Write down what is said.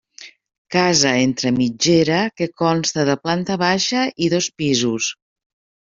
Casa entre mitgera que consta de planta baixa i dos pisos.